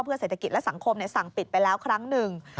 เศรษฐกิจและสังคมสั่งปิดไปแล้วครั้งหนึ่ง